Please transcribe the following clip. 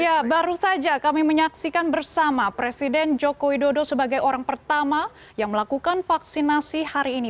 ya baru saja kami menyaksikan bersama presiden joko widodo sebagai orang pertama yang melakukan vaksinasi hari ini